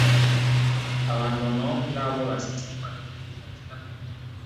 Abandonó la abogacía para dedicarse a la pintura.